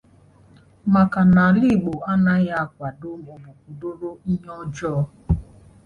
maka na ala Igbo anaghị akwàdo maọbụ kwụdóró ihe ọjọọ